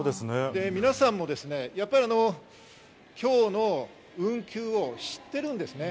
皆さんもやっぱり今日の運休を知っているんですね。